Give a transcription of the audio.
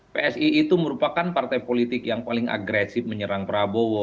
psi itu merupakan partai politik yang paling agresif menyerang prabowo